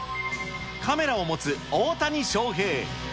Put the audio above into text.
カメラを持つ大谷翔平。